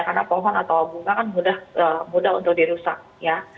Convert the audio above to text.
karena pohon atau bunga kan mudah untuk dirusak ya